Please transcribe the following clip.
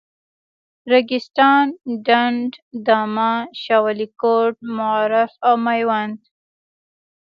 ریګستان، ډنډ، دامان، شاولیکوټ، معروف او میوند.